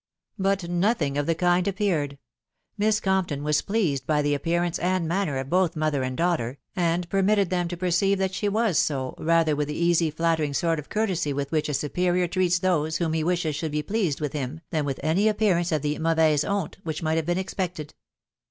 But nothing of the kind appeared. Miss Compton was pleased hy the appearance and manner of both mother and daughter, and permitted them to perceive that she was sOj rather with the easy flattering sort of courtesy with which a superior treats those whom he wishes should be pleased with him, than with any appearance of the mauvaise honte which might have been expected.